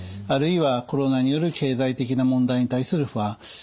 あるいはコロナによる経済的な問題に対する不安。